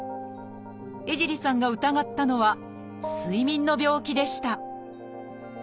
江尻さんが疑ったのは睡眠の病気でした